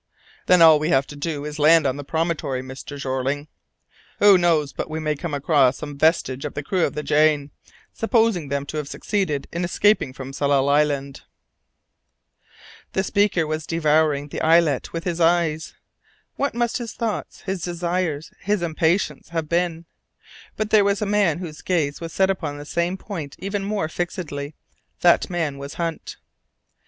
"Then all we have to do is to land on the promontory, Mr. Jeorling. Who knows but we may come across some vestige of the crew of the Jane, supposing them to have succeeded in escaping from Tsalal Island." The speaker was devouring the islet with his eyes. What must his thoughts, his desires, his impatience have been! But there was a man whose gaze was set upon the same point even more fixedly; that man was Hunt.